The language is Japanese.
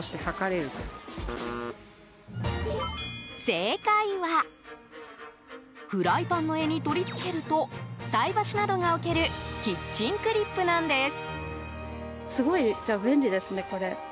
正解はフライパンの柄に取り付けると菜箸などが置けるキッチンクリップなんです。